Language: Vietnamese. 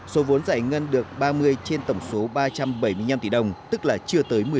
số vốn giải ngân được ba mươi trên tổng số ba trăm bảy mươi năm tỷ đồng tức là chưa tới một mươi